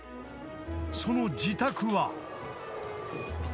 ［その自宅は］